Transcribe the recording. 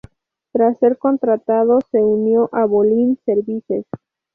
Tras ser contratado, se unió a Bolin Services.